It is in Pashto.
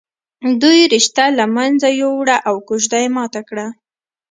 دوی رشته له منځه ويوړه او کوژده یې ماته کړه